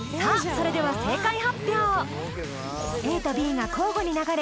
それではＡとＢが交互に流れ